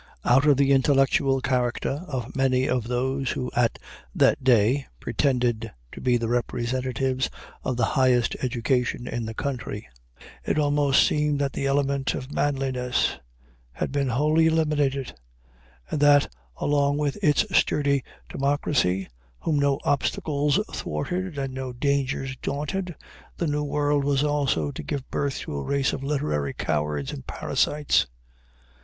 Out of the intellectual character of many of those who at that day pretended to be the representatives of the highest education in this country, it almost seemed that the element of manliness had been wholly eliminated; and that, along with its sturdy democracy, whom no obstacles thwarted and no dangers daunted, the New World was also to give birth to a race of literary cowards and parasites."